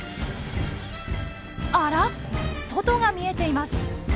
あらっ外が見えています。